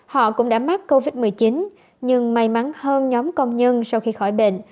họ cũng đã mắc covid một mươi chín nhưng may mắn hơn nhóm công nhân sau khi khỏi bệnh